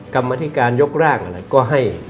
กรรมธิการยกร้างอะไรก็ให้